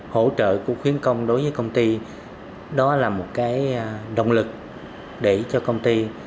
hỗ trợ của khuyến công đối với công ty đó là một cái động lực để cho công ty